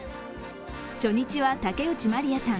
初日は竹内まりやさん